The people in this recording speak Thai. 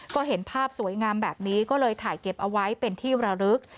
ก็เห็นภาพสวยงามแบบนี้ก็เลยถ่ายเก็บเอาไว้เป็นที่ระลึก